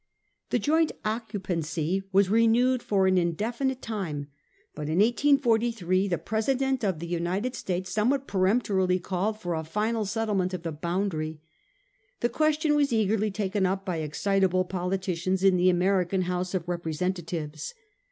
The joint occupancy was renewed for an indefinite time ; but in 1843, the President of the United States somewhat peremptorily called for a final set tlement of the boundary. The question was eagerly taken up by excitable politicians in the American House of Representatives.